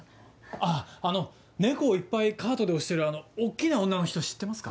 あっあの猫をいっぱいカートで押してるあの大っきな女の人知ってますか？